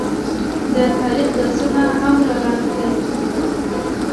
د تاریخ درسونه هم رالنډ کړو